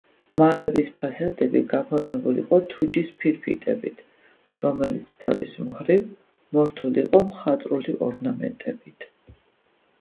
მალების ფასადები გაფორმებული იყო თუჯის ფირფიტებით, რომელიც თავის მხრივ მორთული იყო მხატვრული ორნამენტებით.